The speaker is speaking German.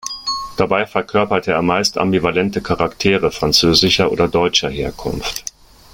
Dabei verkörperte er meist ambivalente Charaktere französischer oder deutscher Herkunft.